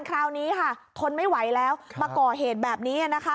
คราวนี้ทนไม่ไหวแล้วมาก่อเหตุแบบนี้